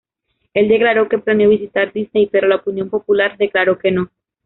Él declaró que planeó visitar Disney pero la opinión popular declaró que no.